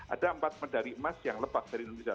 ada empat medari emas yang lepak dari indonesia